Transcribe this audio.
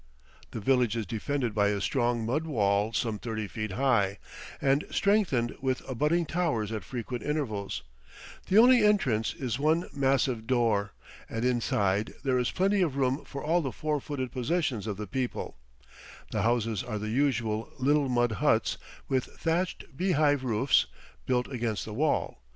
The village is defended by a strong mud wall some thirty feet high, and strengthened with abutting towers at frequent intervals; the only entrance is the one massive door, and inside there is plenty of room for all the four footed possessions of the people; the houses are the usual little mud huts with thatched beehive roofs, built against the wall.